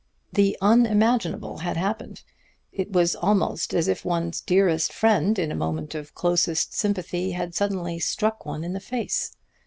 The unimaginable had happened. It was almost as if one's dearest friend, in a moment of closest sympathy, had suddenly struck one in the face.